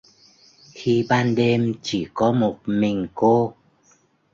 Khi ban đêm chỉ có một mình cô